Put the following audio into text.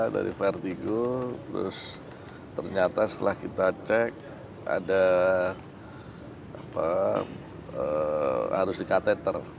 dari vertigo terus ternyata setelah kita cek ada harus di catheter